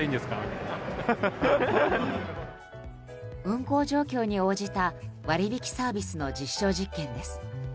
運行状況に応じた割引サービスの実証実験です。